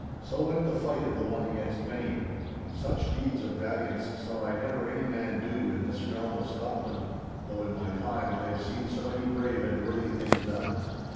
So went the fight of the one against many, and such deeds of valiance saw I never any man do in this realm of Scotland, though in my time I have seen so many brave and worthy things done.